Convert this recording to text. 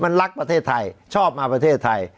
มันรักประเทศไทยชอบมาประเทศไทย